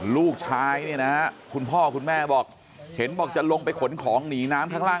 ลูกชายเนี่ยนะฮะคุณพ่อคุณแม่บอกเห็นบอกจะลงไปขนของหนีน้ำข้างล่าง